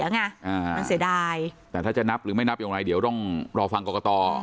แล้วไงมันเสียดายแต่ถ้าจะนับหรือไม่นับอย่างไรเดี๋ยวต้องรอฟังกรกต